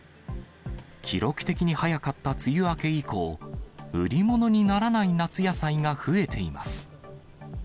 記録的に早かった梅雨明け以降、売り物にならない夏野菜が増えています。